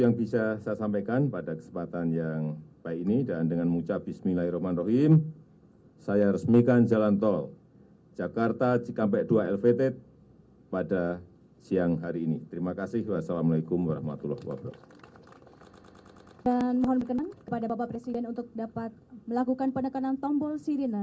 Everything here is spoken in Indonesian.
dan mohon berkenan kepada bapak presiden untuk dapat melakukan penekanan tombol sirina